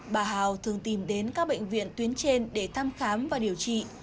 bà hào thường tìm đến các bệnh viện tuyến trên để thăm khám và điều trị